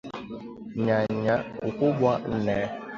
Nyanya Ukubwa nne